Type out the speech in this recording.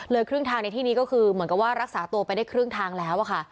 ครึ่งทางในที่นี้ก็คือเหมือนกับว่ารักษาตัวไปได้ครึ่งทางแล้วค่ะ